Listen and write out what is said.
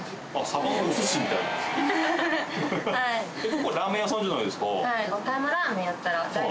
ここラーメン屋さんじゃないですか？